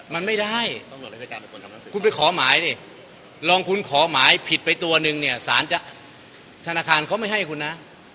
มันไม่ได้ตำรวจเลยคุณไปขอหมายดิลองคุณขอหมายผิดไปตัวนึงเนี่ยสารจะธนาคารเขาไม่ให้คุณนะ